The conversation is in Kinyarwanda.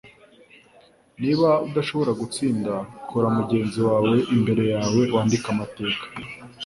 Niba udashobora gutsinda, kora mugenzi wawe imbere yawe wandike amateka.